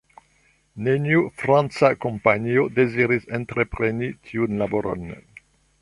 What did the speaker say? Neniu franca kompanio deziris entrepreni tiun laboron.